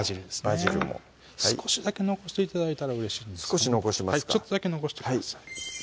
バジルも少しだけ残して頂いたらうれしいですね少し残しますかちょっとだけ残してください